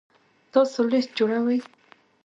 تاسو لیست جوړوئ؟